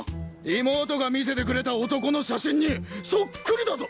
妹が見せてくれた男の写真にそっくりだぞ！